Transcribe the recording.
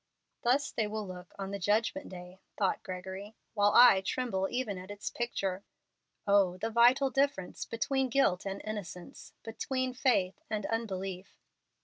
"Thus they will look on the Judgment Day," thought Gregory, "while I tremble even at its picture. O the vital difference between guilt and innocence, between faith and unbelief!"